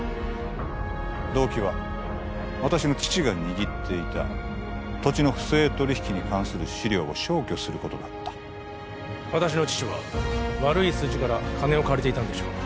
動機は私の父が握っていた土地の不正取引に関する資料を消去することだった私の父は悪いスジから金を借りていたんでしょう